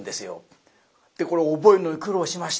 でこれ覚えるのに苦労しましてね。